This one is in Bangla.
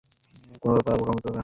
কোনও ম্যাথের বকবকানি থাকবে না।